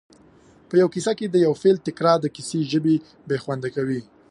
په یوه کیسه کې د یو فعل تکرار د کیسې ژبه بې خونده کوي